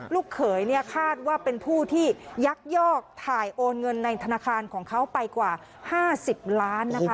ลูกเขยเนี่ยคาดว่าเป็นผู้ที่ยักยอกถ่ายโอนเงินในธนาคารของเขาไปกว่า๕๐ล้านนะคะ